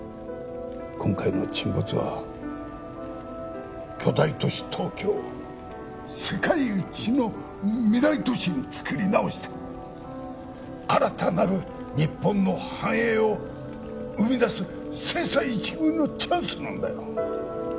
今回の沈没は巨大都市東京を世界一の未来都市に造り直して新たなる日本の繁栄を生み出す千載一遇のチャンスなんだよ